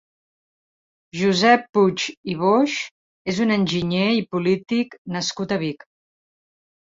Josep Puig i Boix és un enginyer i polític nascut a Vic.